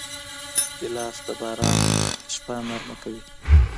ګیلاس د باران شپه نرمه کوي.